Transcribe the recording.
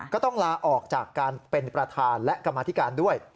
ก็ต้องลาออกจากการเป็นประธานและกรรมธิการด้วย